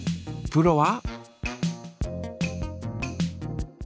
プロは？